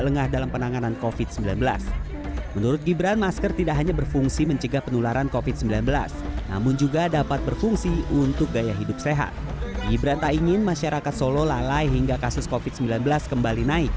sekarang ini kan bukan cuma untuk menangkal covid sembilan belas untuk polusi dan lain lain